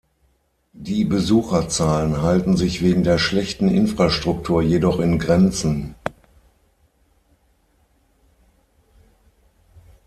Die Besucherzahlen halten sich wegen der schlechten Infrastruktur jedoch in Grenzen.